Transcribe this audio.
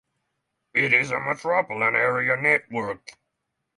It is a metropolitan area network.